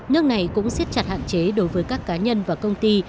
nước này cũng siết chặt hạn chế đối với các tiền tệ quốc tế